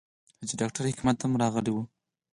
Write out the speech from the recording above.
حاجي ډاکټر حکمت هم راغلی و.